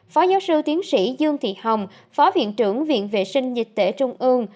phó giáo sư tiến sĩ dương thị hồng phó viện trưởng viện vệ sinh dịch tễ trung ương